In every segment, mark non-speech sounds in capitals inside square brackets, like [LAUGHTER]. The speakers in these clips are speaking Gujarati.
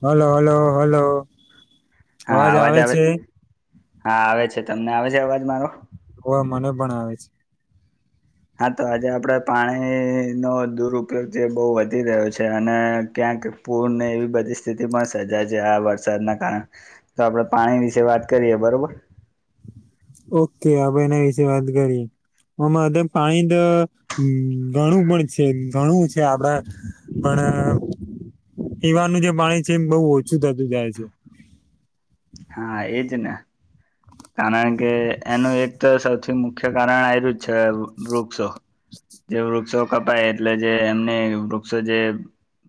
હલો હલો હલો હા અવાજ આવે હા આવે છે તમને આવે છે અવાજ મારો હો મને પણ આવે છે હા તો આજે આપડે પાણીનો દુરપયોગ જે બહુ વધી રહ્યો છે અને ક્યાંક પૂર ને એવી બધી સ્થિતિ પણ સર્જાય છે આ વરસાદના કારણ તો આપડે પાણી વિશે વાત કરીએ બરોબર ઓકે આપણે એના વિશે વાત કરીએ હમના પાણી તો હમ ઘણું પણ છે ઘણું છે આપડા પણ પીવાનું જે પાણી છે એ બહુ ઓછું થતું જાય છે હા એજ ને કારણ કે એનું એક તો સૌથી મુખ્ય કારણ આયરુ જ છે વૃક્ષો જે વૃક્ષો કપાય એટલે જે એમને વૃક્ષો જે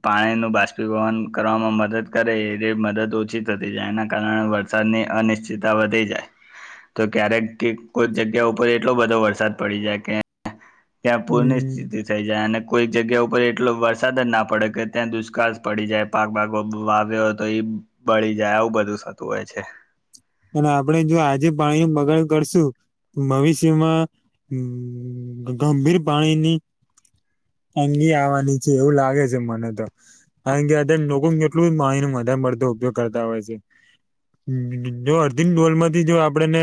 પાણી નું બાષ્પીભવન કરવામાં મદદ કરે એ મદદ ઓછી થતી જાય એના કારણે વર સાદની અનિશ્ચિતતા વધી જાય તો ક્યારેક ઠીક કોઈ જગ્યા ઉપર એટલો બધો વરસાદ પડી જાય કે ત્યાં પૂર ની હમ સ્થિતિ થઈ જાય અને કોઈક જગ્યા ઉપર એટલો વરસાદ જ ના પડે કે ત્યાં દુષ્કાળ પડી જાય પાક ભાગ વાવ્યો હોય તો ઈ બળી જાય આવું બધું થતું હોય છે અને આપણેે જો આજે પાણી નું બગાડ કરશું ભવિષ્યમાં ગંભીર પાણીની તંગી આવાની છે એવું લાગે છે મને તો કારણ કે અત્યારે લોકો કેટલું પાણીનો વધારે પડતો ઉપયોગ કરતા હોય છે જો અડધી ડોલમાંથી જો આપડેને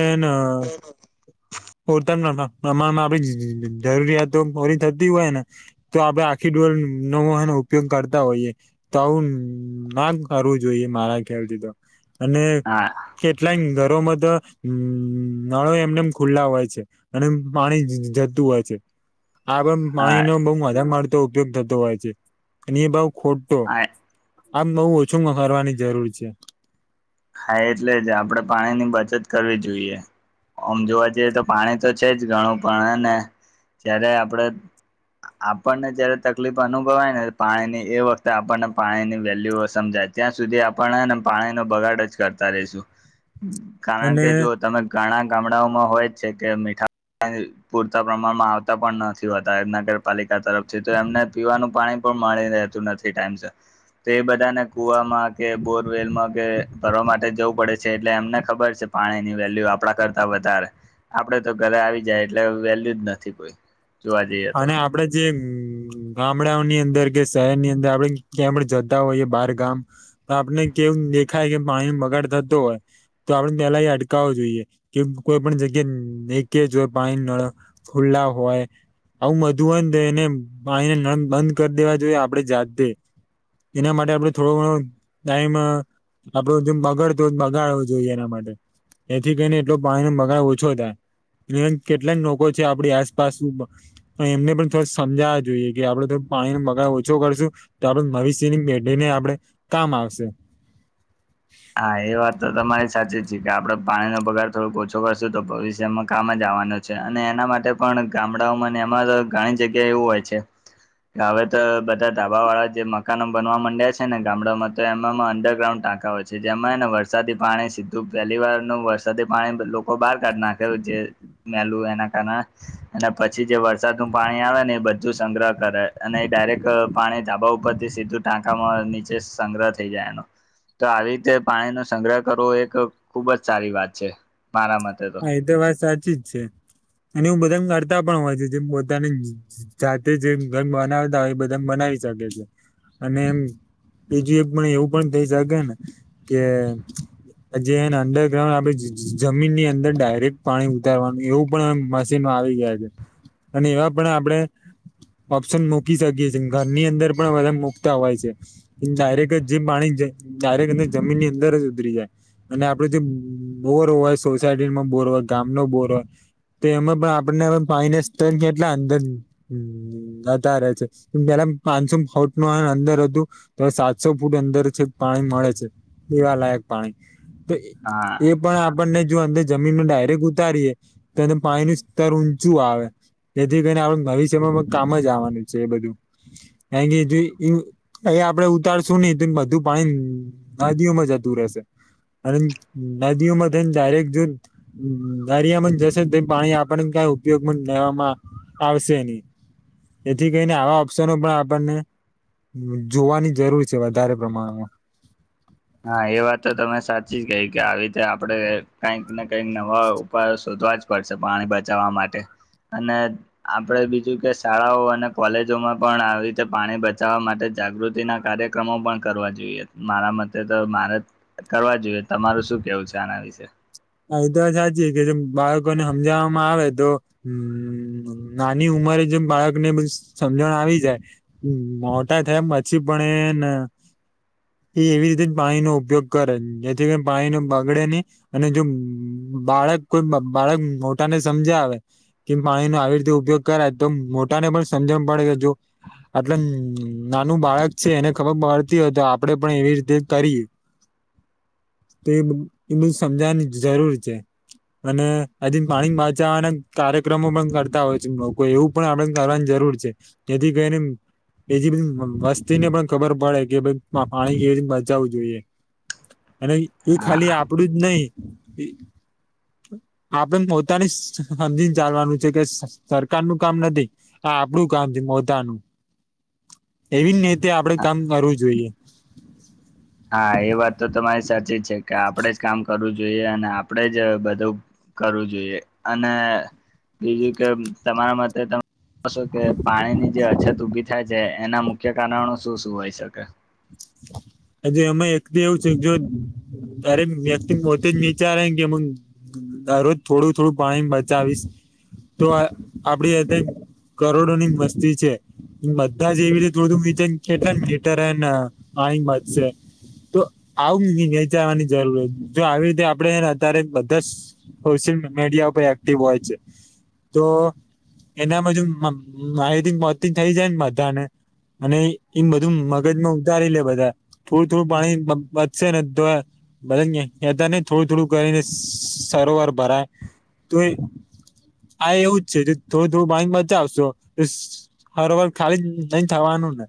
પૂરતા પ્રમાણમાં આપડી જરૂરિયાતો પરી થતી હોય ને તો આપડે આખી ડોર નવાનો ઉપયોગ કરતા હોઈએ તો આવું ના કરવું જોઈએ મારા ખ્યાલથી તો અને હા કેટલાક ઘરો માતો નળો એમનેમ ખુલ્લા હોય છે અને પાણી જતું હોય છે આ પણ હા પાણીનો બઉ વધા મારતો ઉપયોગ થતો હોય છે અને એ બઉ ખો તો હા આમ બવુ ઓછું કરવાની જરૂર છે ખાાય એટલે જ આપડે પાણીની બચત કરવી જોઈએ આમ જોવા જઈએ તો પાણી તો છે જ ઘણું પણ અને જય્યારે આપડે આપણને જયારે તકલીફ અનુભવાય ને પાણી ની એ વખતે આપણને પાણી ની વેલ્યુ સમજાય ત્યાં સુધી આપણને પાણીનો બગાડ જ કરતા રઈશું કારણ અને કે જો તમે ઘણા ગામડાઓમાં હોય જ છે કે મીઠા પૂરતા પ્રમાણમાં આવતા પણ નથી હોતા નગરપાલિકા તરફથી તો એમને પીવાનું પાણી પણ મળી રહેતું નથી ટાઈમ સર તો એ બધાને કુવામાં કે બોરવેલમાં કે ભરવા માટે જવું પડે છે એટલે એમને ખબર છે પાણીની વેલ્યુ આપડા કરતા વધારે. આપડે તો ઘરે આવી જાય એટલે વેલયુ જ નથી કોઈ જોવા જઈએ તો. અને આપડે જે ગામડાઓની અંદર કે શહેરની અંદર આપડે કેયાં પણ જતા હોઈએ બાર ગામ તો આપને કેવું દેખાય કે પાણી બગાડ થતો હોય તો આપડે પેલા એ અટકાવો જોઈએ કે કોઈ પણ જગ્યા જો હોય પાણી નળ ખુલ્લા હોય આવું બધું હોય તો એને પાણીને નળ બંધ કરી દેવા જોઈએ આપડે જાતે એના માટે આપડે થોડો ઘણો ટાઈમ આપડો જેમ બગાડતો હો તો બગાડવો જોઈએ એના માટે એથી કરીને એટલો પાણીનો બગાડ ઓછો થાય. પ્રંક કેટલાક લોકો છે આપડી આસપાસ પણ એમને પણ થો સમજાવવા જોઈએ કે આપડે તો પાણી બગાડ ઓછો કરશું તો આપડે ભવિષ્યની પેઢીને આપડે કામ આવશે. હા એ વાત તો તમારી સાચી જ છે કે આપડે પાણીનો બગાડ થોડોક ઓછો કરશું તો ભવિષ્યમાં કામ જ આવવાનો છે. અને એના માટે પણ ગામડાઓમાં એમાં ઘણી જગ્યા એવું હોય છે. હવે તો બધા ધાબા વાળા જે મકાનો બનવા માંડ્યા છે ને ગામડામાં તો એમાંમાં અંડરગ્રાઉન્ડ ટાંકા હોય છે. જેમાં ને વરસાદી પાણી સીધું પહેલી વાર નુ વરસાદી પાણી લો કો બહાર કાઢનાખે છે જે મેલું એના કારણે અને પછી જે વરસાદ નું પાણી આવે ને એ બધું સંગ્રહ કરે અને એ ડાયરેક્ટ પાણી ધાબા ઉપરથી સીધું ટાંકામાં નીચે સંગ્રહ થઈ જાય આનો તો આવી તે પાણીનો સંગ્રહ કરવો એક ખુબ જ સારી વાત છે મારા મતે. હા એ તો વાત સાચી જ છે અને એવુ બધા કરતા પણ હોય છે જેમ પોતાની જ જ જાતે જે ઘર બનાવતા હોય એ બધા બનાવી શકે છે અને એમ બીજું એક પણ એવું પણ થઇ શકેેને કે જે એને અંડરગ્રાઉન્ડ આપે જ જ જમીન નીં અંદ અંદર ડાયરેક્ટ પાણી ઉતારવાનું એવું પણ મશીન આવી ગયા છે. અને એવા પણ આપડે ઓપ્શન મૂકી શકીએ છીએ ઘરની અંદર પણ બધા મૂકતા હોય છે. ડાયરેક્ટ જે પાણી જ ડાયરેક્ટ જમીનની અંદર જ ઉતરી જાય અને આપડે જે બોર હોય સોસાયટી નો બોર હોય ગામ નો બોર હોય તો એમાં પણ આપને ફાઈને સ્તર કેટલા અંદર અતારે છે પેલા પાનસો ફુટ નુ અંદર હતું. તો સાતસો ફૂટ અંદર છેક પાણી મળે છે પીવા લાયક પાણી તો હા એ પણ આપણને જો અંદર જમીન ડાયરેક્ટ ઉતારીએ તો અ પાણીનું સ્તર ઊંચું આવે જેથી કરીને આપ ભવિષ્યમાં કામ જ આવવાનું છે એ બધું કારકે જે એ એ આપડે ઉતારશું નહીં તો બધું પાણી નદીઓમાં જતું રહેશે અને નદીઓ મા થઈન ડાયરેક્ટ જો દરિયામાં જશે તો પાણી આપણને કોઈ ઉપયોગમાં લેવામાં આવશે ની જેથી કરીને આવા ઓપ્શનો પણ આપણને જોવાની જરૂર છે વધારે પ્રમાણમાં. હા એ વાત તો તમે સાચી જ કહી કે આવી રીતે આપડે કઈકને કઈક નવા ઉપાયો શોધવા જ પડશે પાણી બચાવવા માટે અને આપણે બીજું કે શાળાઓ અને કોલેજોમાં પણ આવી રીતે પાણી બચાવવા માટે જાગૃતિ ના કાર્ય ક્રમો પણ કરવા જોઈએ મારા મ તે તો મારેત કરવા જોઈએ તમારું શું કેવું છે આના વિશે. હા એ તો હાચી કે જે બાળકોને હમજાવામાં આવે તો [UNINTELLIGIBLE] નાની ઉંમરે જે બાળકને બ સમજણ આવી જાય મોટા થયા પછી પણ એન એ એવી રીતે જ પાણીનો ઉપયોગ કરે જેથી પાણી નો બગડે નઈ અને જો બાળક કોઈ બાળક મોટા ને સમજાવે કેમ પાણીનો આવી રીતે ઉપયોગ કરાય તો મોટાને પણ સમજણ પડે કે જો આટલા નાનું બાળક છે એને ખબર પડતી હોય તો આપડે પણ એવી રીતે કરી [INAUDIBLE] તો એ એ બધું સમજાવાની જરૂર છે. અને આજે પાણી બચાવાના કાર્યક્રમો પણ કરતા હોય છે લોકો એવું પણ આપણે કરવાન જરૂર છે જેથી કરીને એ બધી વસ્તી ને પણ ખબર પડે કે ભઈ પા-પાણી કેવી બચાવું જોઈએ. [INAUDIBLE] અને એ હા ખાલી આપડું જ નઈ આપડે પોતાની સમજીન ચાલવાનું છે કે સરકાર નું કામ નથી. આ આપડું કામ છે પોતાનું એવી રીતે આપડે કામ કરવું જોઈએ. હા એ વાત તો તમારી સાચી છે કે આપડે જ કામ કરવું જોઈએ અને આપડે જ બધું કરવું જોઈએ અને બીજું કે તમારા મતેતો શું કે પાણીની જે અછત ઊભી થાય છે એના મુખ્ય કારણો શું શું હોય શકે. આજે એમાં એકતો એવું છે જો ક્યારે વ્યક્તિ પોતે વિચારે કે મ દરરોજ થોડું થોડું પાણી બચાવીશ તો આપડી અત્ કરોડો ની વસ્તી છે બધા જ એવી રીતે થોડું થોડું વિચારીએ કેટલા લિટર હેન પાણી બચશે તો આવું વિચારવાની જરૂર, જો આવી રીતે આપડે અત્યારે બધા સ સોશિયલ મીડિયા પર એક્ટિવ હોય છે તો એનામાંજો માં માહિતી પોંચતી થઈ જાય ને બધા ને અને ઈ બધું મગજમાં ઉ તારી લે બધા થોડું થોડું પાણી બચશે ને તોએ બધા કેતા નઇ થોડું થોડું કરીને સરોવર ભરાય તોએ આ એવું જ છે થોડું થોડું પાણી બચાવશો [UNINTELLIGIBLE] સરોવર ખાલી જ નઈ થવાનું ને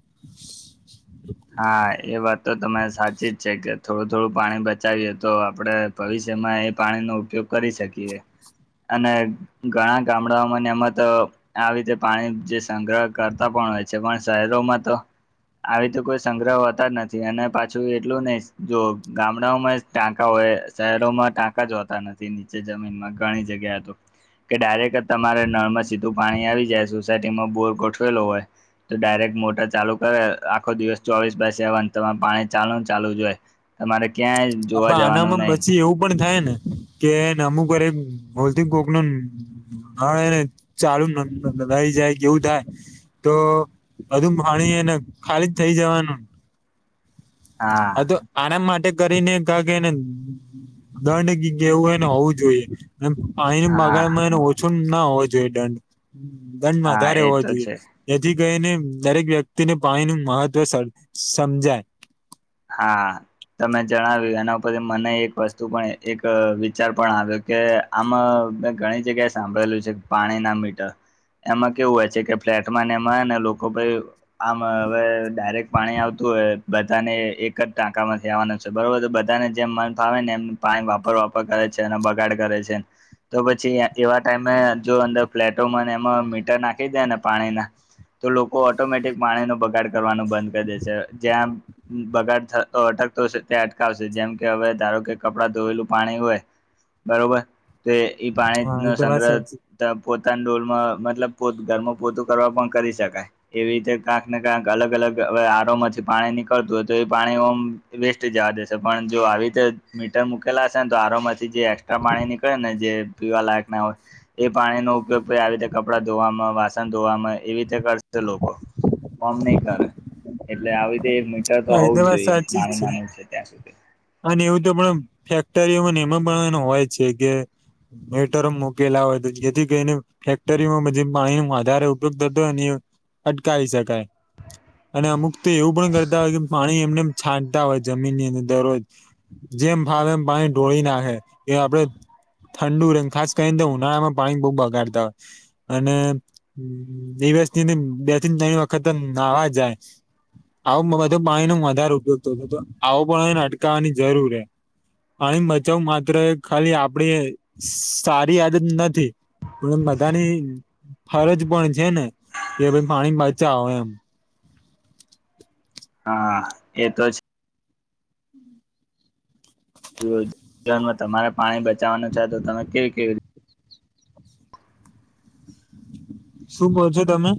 હા એ વાત તો તમે સાચી જ છે કે થોડું થોડું પાણી બચાવીએ તો આપડે ભવિષ્યમાં એ પાણીનો ઉપયોગ કરી શકીએ. અને ઘણા ગામડાઓમાં એમાં તો આવી રીતે પાણી જે સંગ્રહ કરતા પણ હોય છે પણ શહેરોમાં તો આવી રીતે કોઈ સંગ્રહ હોતા નથી અને પાછું એટલું નહી જો ગામડાઓમાં જ ટાંકા હોય શહેરોમાં ટાંક કા જ હોતા નથી નીચે જમીનમાં ઘણી જગ્યે તો કે ડાયરેક્ટ તમારે નળમાં સીધું પાણી આવી જાય સોસાયટીમાં બોર ગોઠવેલો હોય તો ડાયરેક્ટ મોટર ચાલુ કરે આખો દિવસ ચોવીસ બાય સેવન તમાર પાણી ચાલૂ ન ચાલુ જ જોય તમારે ક્યાં હા પણ આનામમાં પછી એવું પણ થાય ને કે હેન અમુક વાર એક ભૂલ થી કોક નો નળ ચાલુ લકેઆહી જાય કે એવું થાય તો બધું પાણી હેન ખાલી જ થઇ જવાનું. હા આતો આના માટે કરીને ક કેને દંડ કેવું એને હોવું જોઈએ પાણીની હા બગારમાં એને ઓછો ના હોવો જોઈએ દંડ દંડ હા વધારે એ હોવા તો જોઈએ છે જેથી કરીને દરેક વ્યક્તિને પાણી નું મહત્વ સમજાય હા તમે જણાવ્યું એના ઉપરથી મને એક વસ્તુ પણ એક વિચાર પણ આવ્યો કે આમાં મેં ઘણી જગ્યાએ સાંભળેલું છે પાણી ના મીટર એમાં કેવું હોય છે કે ફ્લેટ એમાં ને લોકો પહી આમ હવે ડાયરેક્ટ પાણી આવતું હોય બધાને એક જ ટાંકામાંથી આવાનો છે બરોબર તો બધાને જેમ મન ફાવે ને એમ પાણી વાપર વાપર કરે છે ને બગાડ કરે છે તો પછી એવા ટાઈમે જો અંદર ફ્લેટો મને એમાં મીટર નાખી દેય ને પાણીના તો લોકો ઓટોમેટિક પાણી નો બગાડ કરવાનું બંધ કરી દે છે જ્યાં બગાડ અટકતો ત્યા અટકાવશે જેમ કે હવે ધારો કે કપડા ધોયેલું પાણી હોય બરોબર તે ઈ હા પાણી નો એ તો વાત સાચી સંગ્રહ પોતાના ડોલમાં મતલબ પોત ઘરમાં પોતું કરવા પણ કરી શકાય એવી રીતે ક્યાંક ને ક્યાંક અલગ અલગ આરોમાંથી પાણી નીકળતું હોય તો એ પાણી ઓમ વેસ્ટ જવા દેશે પણ જો આવી રીતે મીટર મૂકેલા હશે ને તો આરોમ જ જે એક્સ્ટ્રા પાણી નીકળે ને જે પીવા લાયક ના હોય એ પાણીનો ઉપયોગ આવી રીતે કપડાં ધોવામાં વાસણ ધોવામાં એવી રીતે કરશે લોકો કોમ નહી કરે એટલે આવી રીતે એક મીટર તો હા એ હોવું જ વાત જોઈએ સાચી જ નાનું નાનું છે ત્યાં સુધી અને એવું તો પણ ફેક્ટરીઓ એમાં પણ હોય છે કે મીટરો મુકેલા હોય જેથી કરીને ફેક્ટરીમાં બધી પાણી નું વધારે ઉપયોગ થતો હોય ને અટકાવી શકાય અને અમુક તો એવું પણ કરતા હોય કે પાણી એમને છાંટતા હોય જમીન ની અંદર દરરોજ જેમ ભાવ એમ પાણી ડોળી નાખે એ આપડે ઠંડુ ર ખાસ કરીને તો ઉનાળામાં પાણી બો બગાડતા અને દિવસ ની બે થી ત્રણ વખત નાવા જાય આવું બધો પાણી નો વધારે ઉપયોગ થતો આવો પણને અટકાવાની જરૂર હે પાણી બચાવ માત્ર ખાલી આપડી સારી આદત નથી પણ બધાની ફરજ પણ છે ને કે ભાઈ પાણી બચાવો એમ હા એ તો જો જીવનમાં તમારે પાણી બચાવાનું છે તો તમે કેવી કેવી શું બોલ છો તમે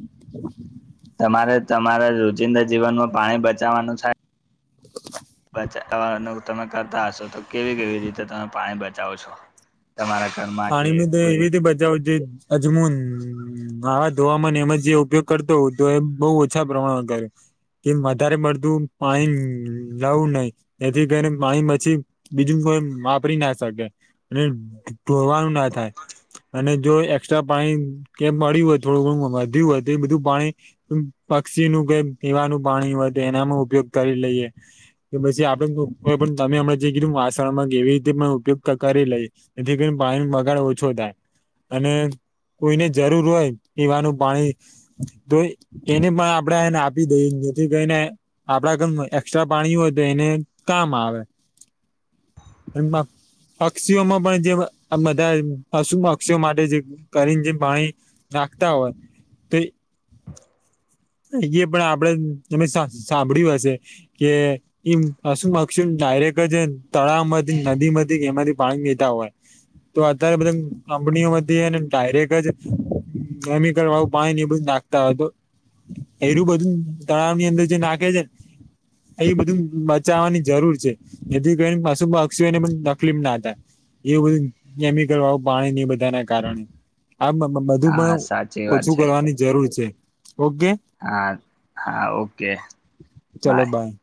તમારે તમારા રોજિંદા જીવનમાં પાણી બચાવાનું થાય [INAUDIBLE] બચાવાનું તમે કરતા હશો તો કેવી કેવી રીતે તમે પાણી બચાવો છો? તમારા ઘરમાં કે પાણીનું તે કોઈ એવી બજાવો જેયે અજમોન હાથ ધોવામાં એમાં જે ઉપયોગ કરતો હો તો એ બહુ ઓછા પ્રમાણમાં કરે કેમ વધારે પડતું પાણી લાવું નહી જેથી કરીને પાણી પછી બીજું કોઈ વાપરી ના શકે અને ટોવાનું ના થાય અને જો એસ્ટ્રા પાણી કે મળ્યું હોય થોડું ઘણું વધ્યું હોય તો એ બધું પાણી પક્ષી નું કે પીવાનું પાણી હોય તો એનામાં ઉપયોગ કરી લઈએ કે પછી આપડે પણ તમે અમે જે કીધું વાસણમાં કેવી રીતે પણ ઉપયોગ કરી લેયે જેથી કરીને પાણી બગાડ ઓછો થાય અને કોઈને જરૂર હોય પીવાનું પાણી તો એને પણ આપડે એને આપી દઈએ જેથી કરીને આપડા ઘરમા એક્સ્ટ્રા પાણી હોય તો એને કામ આવે એમાં પક્ષીઓમા પણ જે આ બધા પશુ પક્ષી માટે જે કરીને જે પાણી નાખતા હોય. અહી પણ આપડે તમે સાંભળ્યું હશે કે એમ પશુપક્ષીઓ ડાયરેક જ તળાવ માંથી નદીમાંથી એમાંથી પાણી વીતા હોય. તો અત્યારે બધા કંપનીઓમાંથી ડાયરેક્ટ જ કેમિકલવાળું પાણી એ બધું નાખતા હોય તો એરું બધું તળાવ ની અંદર જે નાખે છેને. એ બધું બચાવવાની જરૂર છે. એથી કરીને પશુપક્ષીઓ ને પણ તકલીફ ના હતા. એવું બધું કેમિકલ વાળું પાણીને એ બધા ના કારણે આ બધું હા પણ સાચી વાત ઓછું છે કરવાની જરૂર છે, ઓકે હા હા ઓકે ચલો બાય